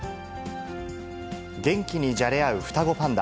元気にじゃれ合う双子パンダ。